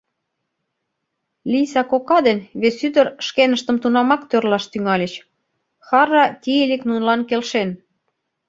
Лийса кока ден вес ӱдыр шкеныштым тунамак тӧрлаш тӱҥальыч — хӓрра Тиилик нунылан келшен.